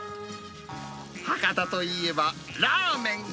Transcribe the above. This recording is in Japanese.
博多といえば、ラーメン。